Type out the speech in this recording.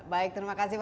baik terima kasih banyak